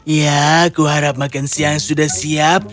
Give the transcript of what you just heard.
ya aku harap makan siang sudah siap